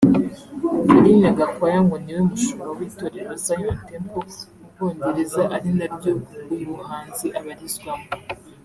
Felin Gakwaya ngo ni we mushumba w’Itorero Zion Temple mu Bwongereza ari naryo uyu muhanzi abarizwamo